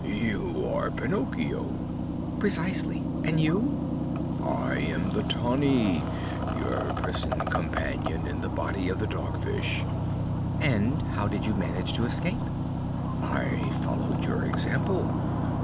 You are Pinocchio!" "Precisely; and you?" "I am the Tunny, your prison companion in the body of the Dog Fish." "And how did you manage to escape?" "I followed your example.